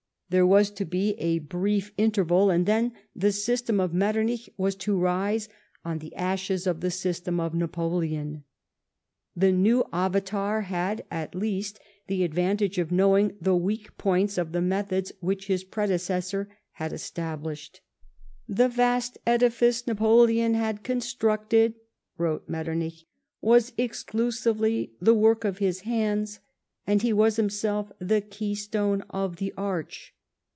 There was to be a brief interval, and then the system of Metternich was to rise on the ashes of the system of Napoleon. The new Avatar had, at least, the advantage of knowing the weak points of the methods which his predecessor had established. "The vast edifice Napoleon had constructed," wrote Metternich,. " was exclusively the work of his hands, and he was himself the key stone of the arch.